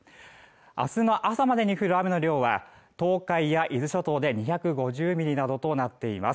明日の朝までに降る雨の量は東海や伊豆諸島で２５０ミリなどとなっています